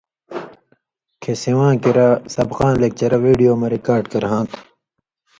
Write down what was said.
کھیں سِواں کریا سبقاں لېکچره وِڈیو مہ ریکاڈ کرہاں تھہ۔